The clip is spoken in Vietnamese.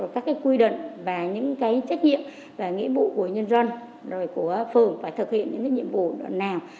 các quy định và những cái trách nhiệm và nghĩa vụ của nhân dân rồi của phường phải thực hiện những nhiệm vụ đoạn nào